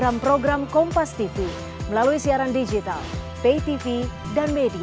kalau komunikasi alhamdulillah tiap hari